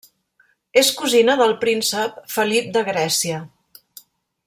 És cosina del príncep Felip de Grècia.